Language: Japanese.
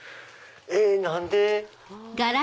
えっ何で？